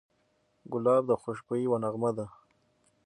ګلاب د خوشبویۍ یوه نغمه ده.